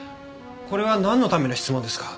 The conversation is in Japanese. これはなんのための質問ですか？